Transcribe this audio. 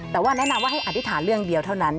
แต่ว่าแนะนำว่าให้อธิษฐานเรื่องเดียวเท่านั้น